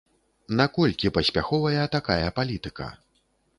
Наколькі паспяховая такая палітыка?